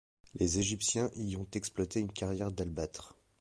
Les Égyptiens y ont exploité une carrière d'albâtre.